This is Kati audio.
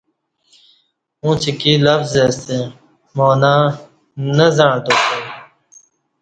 اݩڅ اکی لفظ ستہ معنہ نہ زعں تاسیوم ۔